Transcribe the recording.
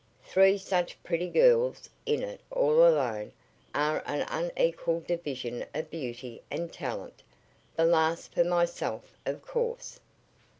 "Three such pretty girls in it all alone are an unequal division of beauty and talent the last for myself, of course."